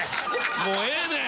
もうええねん！